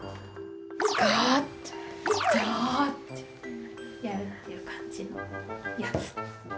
がーって、ざーってやるっていう感じのやつ。